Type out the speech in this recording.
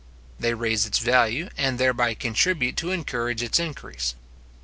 They raise its value, and thereby contribute to encourage its increase.